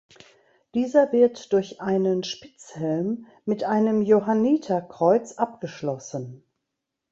Dieser wird durch einen Spitzhelm mit einem Johanniterkreuz abgeschlossen.